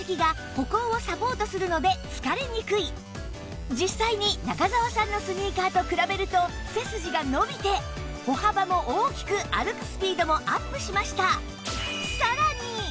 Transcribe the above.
しかも実際に中澤さんのスニーカーと比べると背筋が伸びて歩幅も大きく歩くスピードもアップしました